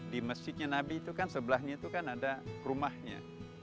di masjidnya nabi itu kan sebelahnya itu kan ada rumahnya